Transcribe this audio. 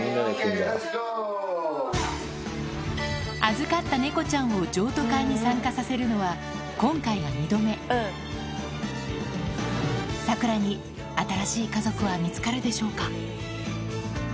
預かった猫ちゃんを譲渡会に参加させるのは今回が２度目サクラに新しい家族は見つかるでしょうか？